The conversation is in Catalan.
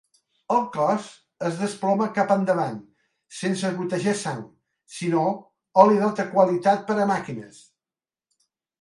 El cos es desploma cap endavant, sense gotejar sang, sinó oli d'alta qualitat per a màquines.